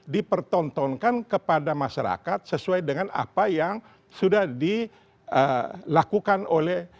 dipertontonkan kepada masyarakat sesuai dengan apa yang sudah dilakukan oleh